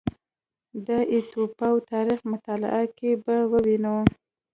د ایتوپیا تاریخ مطالعه کې به ووینو